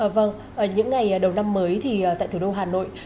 vâng những ngày đầu năm mới thì tại thủ đô hà nội